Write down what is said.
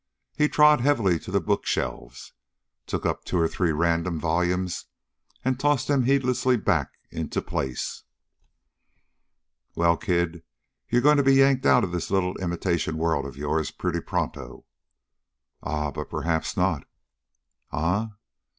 He trod heavily to the bookshelves, took up two or three random volumes, and tossed them heedlessly back into place. "Well, kid, you're going to be yanked out of this little imitation world of yours pretty pronto." "Ah, but perhaps not!" "Eh?"